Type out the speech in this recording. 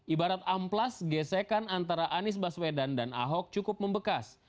ibarat amplas gesekan antara anies baswedan dan ahok cukup membekas